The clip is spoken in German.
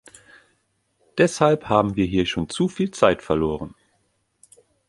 Deshalb haben wir hier schon zu viel Zeit verloren.